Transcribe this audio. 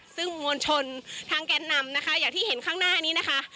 ซึ่งมวลชนทางแก่นนำนะคะอย่างที่เห็นข้างหน้านี้นะคะ